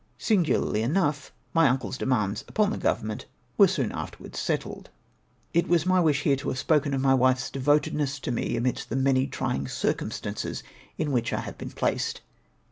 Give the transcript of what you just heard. Singularly enough, my uncle's demands upon the Go vernment were soon afterwards settled. It was my wish here to have spoken of my wife's devotedness to me amidst the many trying circum stances in which, I have been placed.